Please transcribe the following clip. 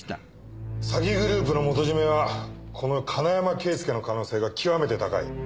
詐欺グループの元締めはこの金山圭介の可能性が極めて高い。